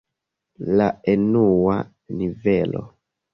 La enua nivelo.